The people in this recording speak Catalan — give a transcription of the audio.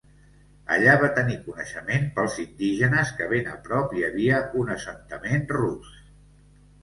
Allà va tenir coneixement pels indígenes que ben a prop hi havia un assentament rus.